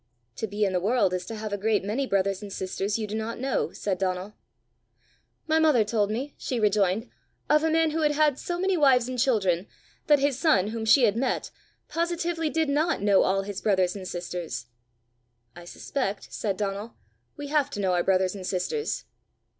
"To be in the world is to have a great many brothers and sisters you do not know!" said Donal. "My mother told me," she rejoined, "of a man who had had so many wives and children that his son, whom she had met, positively did not know all his brothers and sisters." "I suspect," said Donal, "we have to know our brothers and sisters."